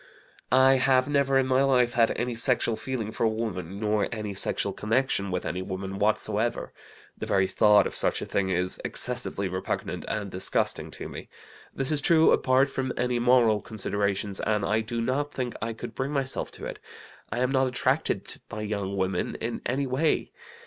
"I have never in my life had any sexual feeling for a woman, nor any sexual connection with any woman whatsoever. The very thought of such a thing is excessively repugnant and disgusting to me. This is true, apart from any moral considerations, and I do not think I could bring myself to it. I am not attracted by young women in any way.